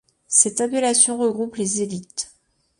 Cette appellation regroupe les élites.